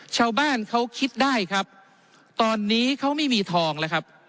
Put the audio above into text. ชาวบ้านเขาคิดได้ครับตอนนี้เขาไม่มีทองแล้วครับ